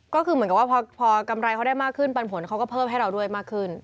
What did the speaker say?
ก็คือเหมือนกับว่าพอกำไรเขาได้มากขึ้นปันผลเขาก็เพิ่มให้เราด้วยมากขึ้น